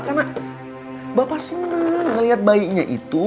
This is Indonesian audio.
karena bapak seneng liat bayinya itu